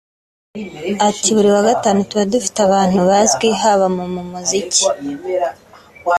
Ati” Buri wagatanu tuba dufite abantu bazwi haba mu mu muziki